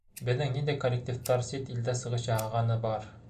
Беҙҙең ниндәй коллективтар сит илдә сығыш яһағаны бар?